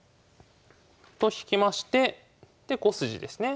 と引きましてで５筋ですね。